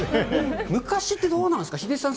昔ってどうなんですか、ヒデさん